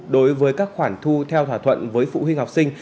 đối với các khoản thu theo thỏa thuận với phụ huynh học sinh